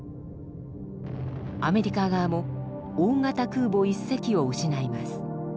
アメリカ側も大型空母１隻を失います。